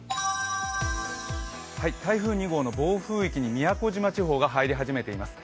台風２号の暴風域に宮古島地方が入り始めています。